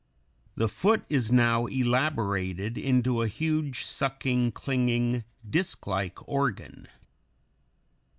The foot is now elaborated into a huge sucking, clinging, disklike organ.